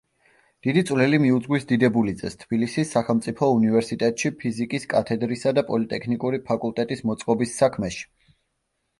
დიდი წვლილი მიუძღვის დიდებულიძეს თბილისის სახელმწიფო უნივერსიტეტში ფიზიკის კათედრისა და პოლიტექნიკური ფაკულტეტის მოწყობის საქმეში.